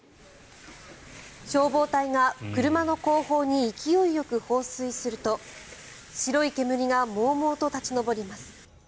消防隊が車の後方に勢いよく放水すると白い煙がもうもうと立ち上ります。